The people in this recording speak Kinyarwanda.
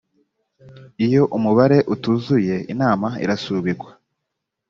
iyo umubare utuzuye inama irasubikwa